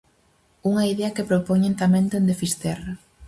Unha idea que propoñen tamén dende Fisterra.